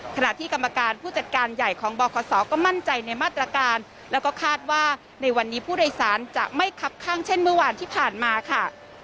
ขณะที่กรรมการผู้จัดการใหญ่ของบคศก็มั่นใจในมาตรการแล้วก็คาดว่าในวันนี้ผู้โดยสารจะไม่คับข้างเช่นเมื่อวานที่ผ่านมาค่ะ